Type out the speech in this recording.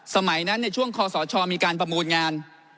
สมัยนั้นในช่วงคอสชมีการประมูลงาน